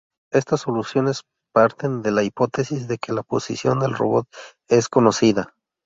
Estas soluciones parten de la hipótesis de que la posición del robot es conocida.